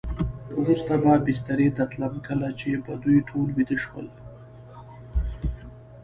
وروسته به بسترې ته تلم، کله چې به دوی ټول ویده شول.